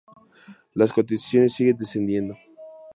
Las cotizaciones siguen descendiendo.